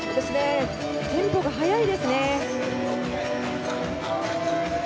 テンポが速いですね。